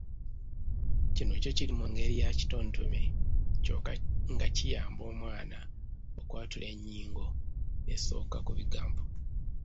Kino kyo kiri mu ngeri ya kitontome kyokka nga kiyamba omwana okwatula ennyingo esooka ku bigambo.